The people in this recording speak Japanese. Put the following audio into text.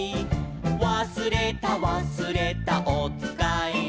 「わすれたわすれたおつかいを」